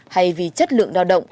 hay vì chất lượng lao động